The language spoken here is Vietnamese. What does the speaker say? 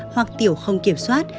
hoặc tiểu không kiểm soát